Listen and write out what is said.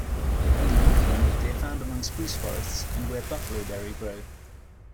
In the Yukon, they are found among spruce forests and where buffaloberry grow.